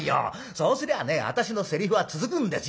そうすりゃあね私のセリフは続くんですよ。ね？